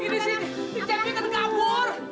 ini si cepi kan kabur